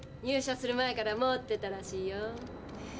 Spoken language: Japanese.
入社する前から持ってたらしいよ。